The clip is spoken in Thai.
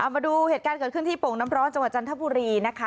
มาดูเหตุการณ์เกิดขึ้นที่โป่งน้ำร้อนจังหวัดจันทบุรีนะคะ